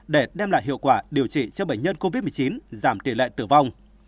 để đem lại hiệu quả điều trị cho bệnh nhân covid một mươi chín giảm tỷ lệ tử vong